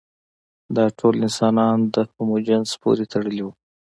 دا ټول انسانان د هومو جنس پورې تړلي وو.